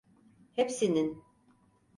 Hepsinin…